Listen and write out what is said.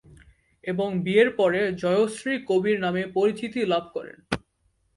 এবং বিয়ের পরে জয়শ্রী কবির নামে পরিচিতি লাভ করেন।